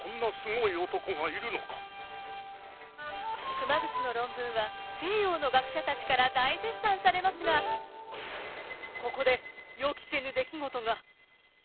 熊楠の論文は西洋の学者たちから大絶賛されますがここで予期せぬ出来事が！